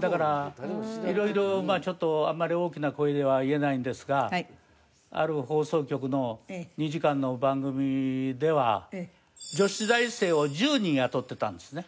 だから色々まあちょっとあんまり大きな声では言えないんですがある放送局の２時間の番組では女子大生を１０人雇ってたんですね。